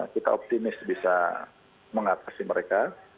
kita optimis bisa mengatasi mereka